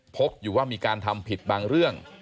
พบอยู่ว่ามีการทำผิดบางเรื่อง